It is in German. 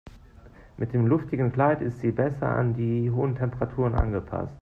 Mit dem luftigen Kleid ist sie besser an die hohen Temperaturen angepasst.